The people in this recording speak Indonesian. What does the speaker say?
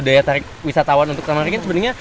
daya tarik wisatawan untuk menariknya